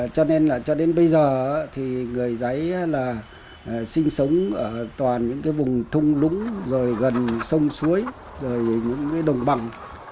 cho nên là cho đến bây giờ thì người giấy là sinh sống ở toàn những cái vùng thung lũng rồi gần sông suối rồi những cái đồng bằng